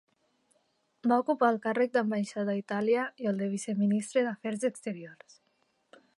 Va ocupar el càrrec d'ambaixador a Itàlia i el de viceministre d'Afers Exteriors.